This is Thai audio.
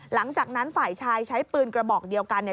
หลังจากนั้นฝ่ายชายใช้ปืนกระบอกเดียวกันเนี่ย